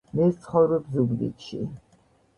მე ვცხოვრობ ზუგდიდში.